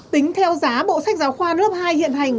tính theo giá bộ sách giáo khoa lớp hai hiện hành